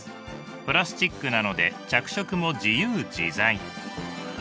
プラスチックなので着色も自由自在。